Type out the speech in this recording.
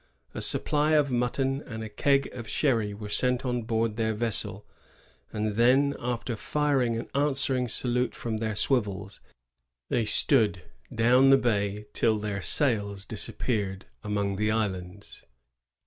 A supply of mutton and a keg of sherry were sent on board their ves sel; and then, after firing an answering salute from their swivels, they stood down the hay till their sails disappeared among the islands.